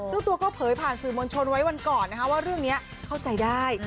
เจ้าตัวก็เผยผ่านสื่อมวลชนไว้วันก่อนนะคะว่าเรื่องนี้เข้าใจได้